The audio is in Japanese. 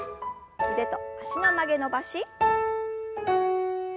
腕と脚の曲げ伸ばし。